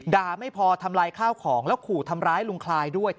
ไม่พอทำลายข้าวของแล้วขู่ทำร้ายลุงคลายด้วย